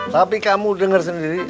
tapi kamu denger sendiri